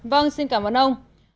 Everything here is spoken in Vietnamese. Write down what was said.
vâng xin cảm ơn ông